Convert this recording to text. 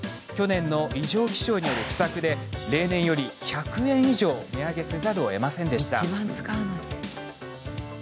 去年の異常気象による不作で例年より１００円以上値上げせざるをえませんでした。